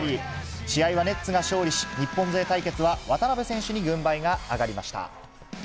試合はネッツが勝利し、日本勢対決は渡邊選手に軍配が上がりました。